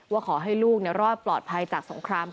ว่าขอให้ลูกรอดปลอดภัยจากสงคราม